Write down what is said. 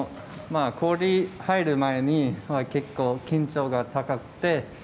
氷に入る前に結構、緊張が高くて。